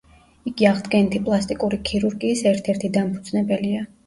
იგი აღდგენითი პლასტიკური ქირურგიის ერთ-ერთი დამფუძნებელია.